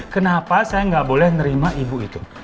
kenapa saya nggak boleh nerima ibu itu